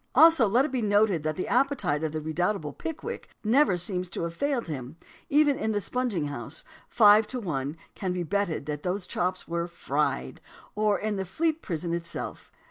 Also let it be noted that the appetite of the redoubtable Pickwick never seems to have failed him, even in the sponging house five to one can be betted that those chops were fried or in the Fleet Prison itself.